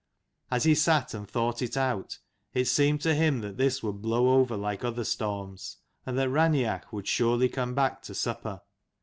As he sat and thought it out it seemed to him that this would blow over like other storms, and that Raineach would surely come back to supper.